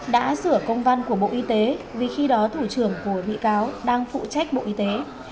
đã sửa công văn của bộ y tế vì khi đó thủ trưởng của bị cáo đang phụ trách bộ y tế